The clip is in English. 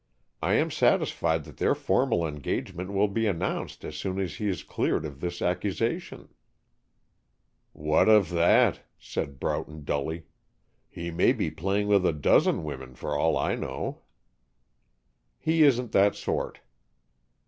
I am satisfied that their formal engagement will be announced as soon as he is cleared of this accusation." "What of that?" said Broughton dully. "He may be playing with a dozen women for all I know." "He isn't that sort."